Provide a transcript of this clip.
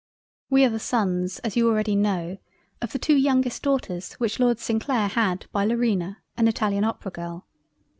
"We are the sons as you already know, of the two youngest Daughters which Lord St Clair had by Laurina an italian opera girl.